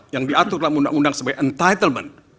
yang diatur dalam undang undang sebagai entitlement